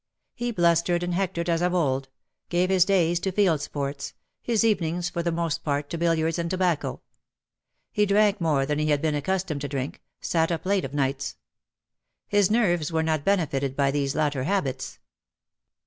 He blustered and hectored as of old — gave his days to field sports — his evenings for the most part to billiards and tobacco. He drank more than he had been accustomed to drink, sat up late of nights. His nerves were not benefited by these latter habits.